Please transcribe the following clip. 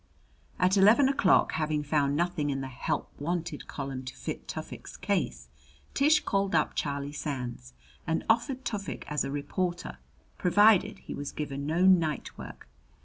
At eleven o'clock, having found nothing in the "Help Wanted" column to fit Tufik's case, Tish called up Charlie Sands and offered Tufik as a reporter, provided he was given no nightwork.